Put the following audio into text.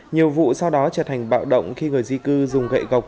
nhiều vụ sau đó trở thành bạo động khi người di cư dùng gậy gọc